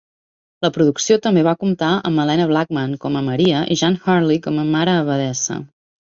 La producció també va comptar amb Helena Blackman com a Maria i Jan Hartley com a Mare Abadessa.